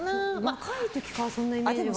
若い時からそんなイメージがあるので。